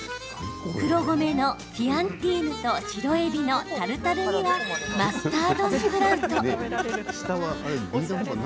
黒米のフィアンティーヌと白エビのタルタルにはマスタードスプラウト。